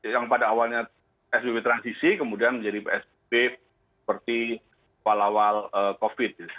yang pada awalnya psbb transisi kemudian menjadi psbb seperti walawal covid